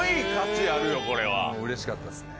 うれしかったっすね。